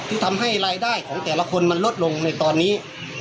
ทำให้รายได้ของแต่ละคนมันลดลงในตอนนี้